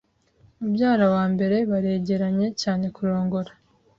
Mubyara wa mbere baregeranye cyane kurongora.